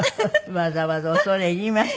わざわざ恐れ入りました。